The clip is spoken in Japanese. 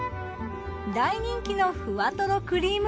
大人気のふわとろくりーむ